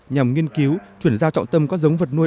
nhằm nghiên cứu chuyển giao trọng tâm các giống vật nuôi